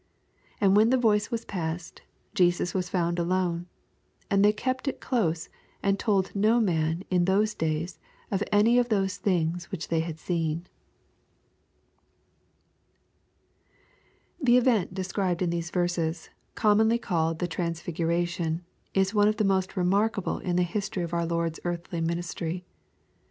86 And when the voice was past^ Jesus was found alone. And they kept U close, and told no man in those days any of those things which they had seen. The event described in these verses, commonly called '^ the transfiguration/ is one of the most remarkable in the history X)f our Loid's earthly ministry.